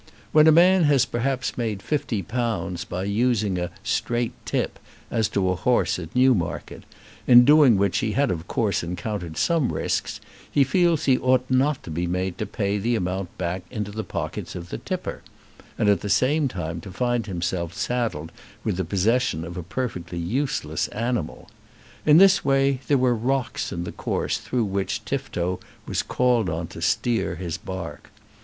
When a man has perhaps made fifty pounds by using a "straight tip" as to a horse at Newmarket, in doing which he had of course encountered some risks, he feels he ought not to be made to pay the amount back into the pockets of the "tipper," and at the same time to find himself saddled with the possession of a perfectly useless animal. In this way there were rocks in the course through which Tifto was called on to steer his bark.